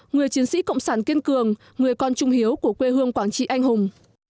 người chiến sĩ cộng sản kiên cường người con trung hiếu của quê hương quảng trị anh hùng